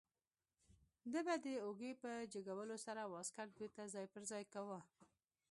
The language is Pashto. ده به د اوږې په جګولو سره واسکټ بیرته ځای پر ځای کاوه.